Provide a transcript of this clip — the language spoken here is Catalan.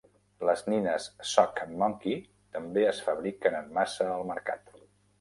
Les nines Sock monkey també es fabriquen en massa al mercat.